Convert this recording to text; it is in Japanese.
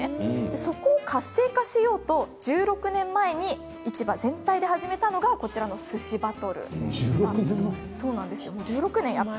そこを活性化しようと１６年前に市場全体で始めたのがすしバトルなんです。